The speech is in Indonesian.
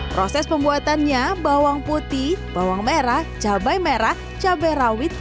proses pembuatannya bawang putih bawang merah cabai merah cabai rawit